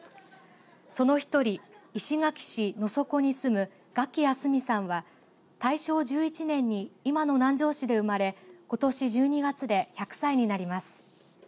その１人、石垣市野底に住む我喜屋スミさんは大正１１年に今の南城市で生まれことし１２月で１００歳になります。